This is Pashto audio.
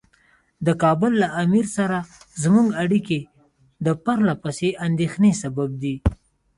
د کابل له امیر سره زموږ اړیکې د پرله پسې اندېښنې سبب دي.